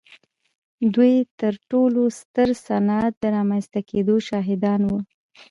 دوی د تر ټولو ستر صنعت د رامنځته کېدو شاهدان وو.